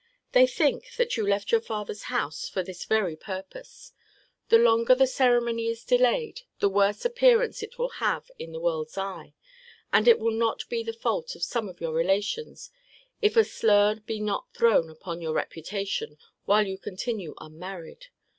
They think, that you left your father's house for this very purpose. The longer the ceremony is delayed, the worse appearance it will have in the world's eye. And it will not be the fault of some of your relations, if a slur be not thrown upon your reputation, while you continue unmarried.